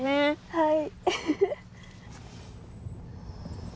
はい。